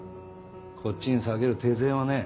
こっちに割ける手勢はねえ。